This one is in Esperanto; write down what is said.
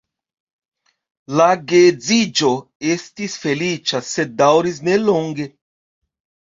La geedziĝo estis feliĉa, sed daŭris nelonge.